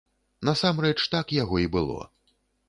Насамрэч, так яго і было.